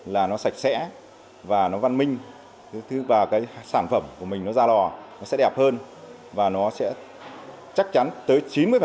là nó sạch sẽ và nó văn minh thứ và cái sản phẩm của mình nó ra lò nó sẽ đẹp hơn và nó sẽ chắc chắn tới chín mươi